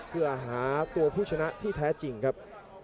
เพื่อหาตัวผู้ชนะที่แท้จริงครับ